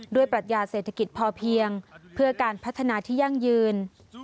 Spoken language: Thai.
ปรัชญาเศรษฐกิจพอเพียงเพื่อการพัฒนาที่ยั่งยืน